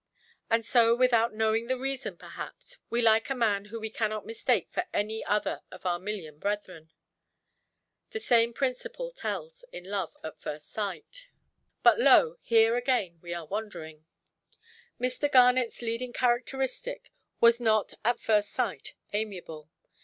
And so, without knowing the reason, perhaps, we like a man whom we cannot mistake for any other of our million brethren. The same principle tells in love at first sight. But, lo! here again we are wandering. Mr. Garnetʼs leading characteristic was not at first sight amiable.